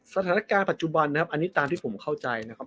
สถานการณ์ปัจจุบันนะครับอันนี้ตามที่ผมเข้าใจนะครับ